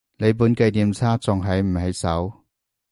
你本紀念冊仲喺唔喺手？